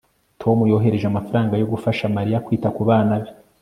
tom yohereje amafaranga yo gufasha mariya kwita kubana be